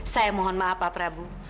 saya mohon maaf pak prabu